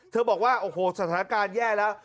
บอกว่าโอ้โหสถานการณ์แย่แล้ว